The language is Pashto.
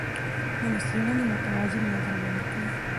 نوې څېړنې متوازن نظر وړاندې کوي.